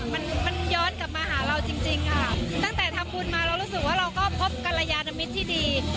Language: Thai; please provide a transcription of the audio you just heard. มันมันย้อนกลับมาหาเราจริงจริงค่ะตั้งแต่ทำบุญมาเรารู้สึกว่าเราก็พบกรยานมิตรที่ดี